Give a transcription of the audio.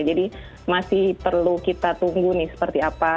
jadi masih perlu kita tunggu nih seperti apa